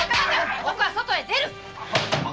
男は外へ出る！